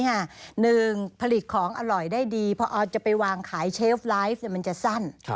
หนึ่งผลิตของอร่อยได้ดีพอจะไปวางขายเชฟไลฟ์มันจะสั้น